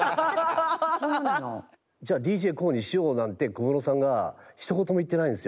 そうなの？じゃＤＪＫＯＯにしようなんて小室さんがひと言も言ってないんですよ。